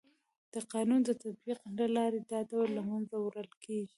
د قانون د تطبیق له لارې دا دود له منځه وړل کيږي.